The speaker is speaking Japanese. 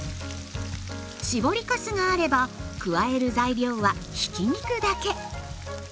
搾りかすがあれば加える材料はひき肉だけ。